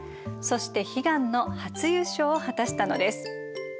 そして悲願の初優勝を果たしたのです。